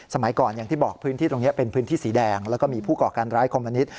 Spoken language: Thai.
สมัยก่อนอย่างที่บอกพื้นที่ตรงนี้เป็นพื้นที่สีแดงแล้วก็มีผู้ก่อการร้ายคอมมิต